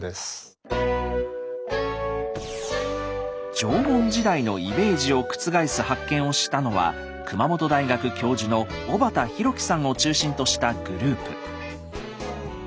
縄文時代のイメージを覆す発見をしたのは熊本大学教授の小畑弘己さんを中心としたグループ。